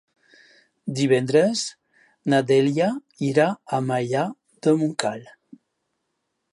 Divendres na Dèlia irà a Maià de Montcal.